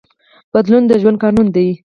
بدلون د ژوند قانون دی.